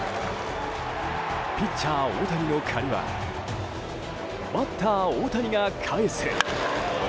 ピッチャー大谷の借りはバッター大谷が返す。